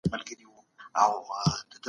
ولسي جرګه د اقتصادي ودې پر لارو چارو بحث کوي.